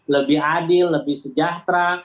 lebih adil lebih sejahtera